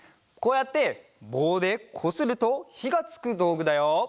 こうやってぼうでこするとひがつくどうぐだよ。